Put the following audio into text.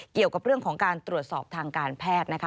เกี่ยวกับเรื่องของการตรวจสอบทางการแพทย์นะคะ